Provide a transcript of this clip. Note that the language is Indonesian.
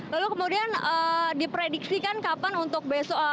lalu kemudian diprediksikan kapan untuk besok